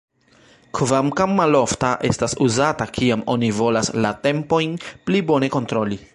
Kvankam malofta, estas uzata kiam oni volas la tempojn pli bone kontroli.